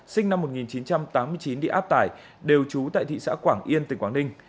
sinh năm một nghìn chín trăm tám mươi chín đi áp tải đều trú tại thị xã quảng yên tỉnh quảng ninh